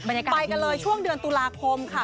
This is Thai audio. ไปกันเลยช่วงเดือนตุลาคมค่ะ